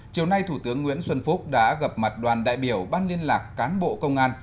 chiều nay thủ tướng nguyễn xuân phúc đã gặp mặt đoàn đại biểu ban liên lạc cán bộ công an